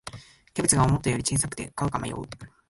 キャベツが思ったより小さくて買うか迷う